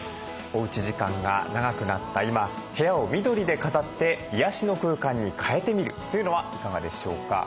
おうち時間が長くなった今部屋を緑で飾って癒やしの空間に変えてみるというのはいかがでしょうか。